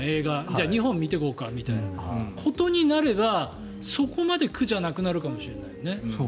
じゃあ２本見ていこうかみたいなことになればそこまで苦じゃなくなるかもしれないよね。